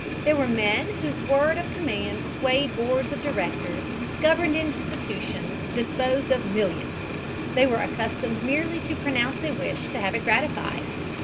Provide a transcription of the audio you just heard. There were men whose word of command swayed boards of directors, governed institutions, disposed of millions. They were accustomed merely to pronounce a wish to have it gratified.